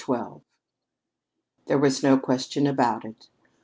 XII There was no question about it.